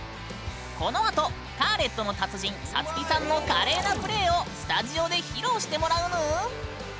このあとカーレットの達人さつきさんの華麗なプレイをスタジオで披露してもらうぬん！